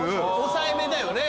抑えめだよね。